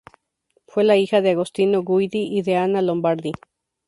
Fue la hija de Agostino Guidi y de Anna Lombardi.